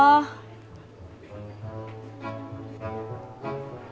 aku terima